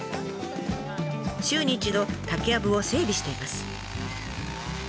週に一度竹やぶを整備しています。